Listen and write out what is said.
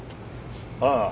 ああ。